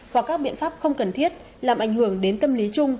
hoặc các biện pháp không cần thiết làm ảnh hưởng đến tâm lý chung